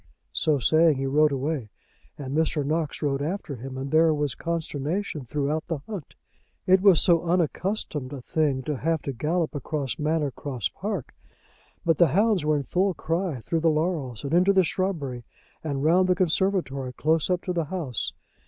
So saying, he rode away, and Mr. Knox rode after him, and there was consternation throughout the hunt. It was so unaccustomed a thing to have to gallop across Manor Cross Park! But the hounds were in full cry, through the laurels, and into the shrubbery, and round the conservatory, close up to the house.